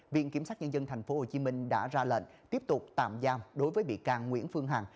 viện kiểm sát nhân dân tp hcm đã ra lệnh tiếp tục tạm giam đối với bị can nguyễn phương hằng